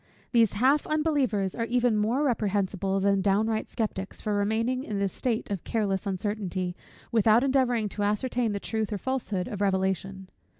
These half unbelievers are even more reprehensible than downright sceptics, for remaining in this state of careless uncertainty, without endeavouring to ascertain the truth or falsehood of revelation.